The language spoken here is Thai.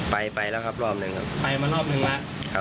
ไปแล้วครับรอบหนึ่งครับไปมารอบนึงแล้ว